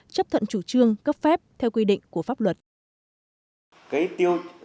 chấp thuận chủ trương cấp phép theo quy định của pháp luật